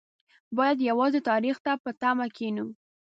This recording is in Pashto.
باید یوازې تاریخ ته په تمه کېنو.